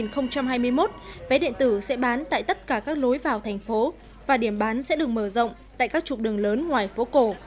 năm hai nghìn hai mươi một vé điện tử sẽ bán tại tất cả các lối vào thành phố và điểm bán sẽ được mở rộng tại các trục đường lớn ngoài phố cổ